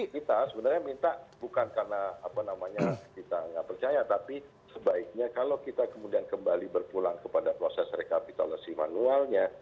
kita sebenarnya minta bukan karena apa namanya kita nggak percaya tapi sebaiknya kalau kita kemudian kembali berpulang kepada proses rekapitulasi manualnya